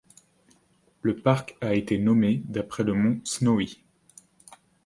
Le parc a été nommé d'après le mont Snowy.